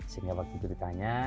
sehingga waktu itu ditanya